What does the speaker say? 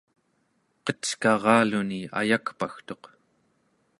qeckaraluni ayakpagtuq